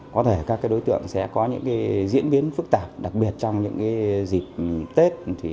có thể các đối tượng sẽ có những diễn biến phức tạp đặc biệt trong những dịp tết